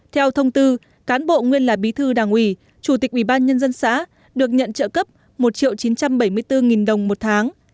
theo thông tư cán bộ nguyên là bí thư đảng ủy chủ tịch ủy ban nhân dân xã được nhận trợ cấp một chín trăm bảy mươi bốn đồng một tháng